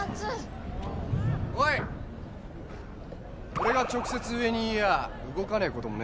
俺が直接上に言や動かねえこともねえぞ。